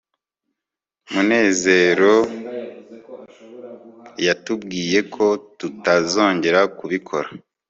munezero yatubwiye ko tutazongera kubikora